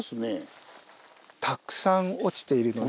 たくさん落ちているので。